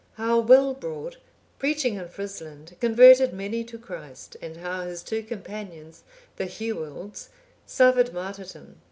How Wilbrord, preaching in Frisland, converted many to Christ; and how his two companions, the Hewalds, suffered martyrdom.